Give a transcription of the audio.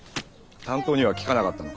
担当には聞かなかったのか？